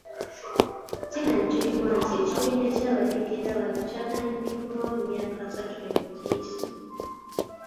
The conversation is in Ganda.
Kinajjukirwa nti ekibinja ky'abayeekera bano kyatandikibwawo emyaka asatu egiyise .